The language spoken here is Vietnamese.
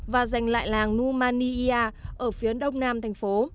và giành lại làng numania ở phía đông nam thành phố